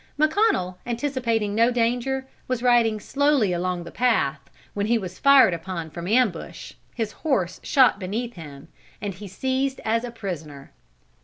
McConnel, anticipating no danger, was riding slowly along the path, when he was fired upon from ambush, his horse shot beneath him, and he seized as a prisoner.